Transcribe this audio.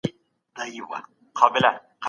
د پښتو ژبي دپاره باید کادري کسان وروزل سي